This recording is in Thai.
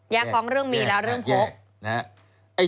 แยกของเรื่องมีและเรื่องพก